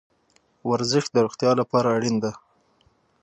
ورزش د روغتیا لپاره اړین ده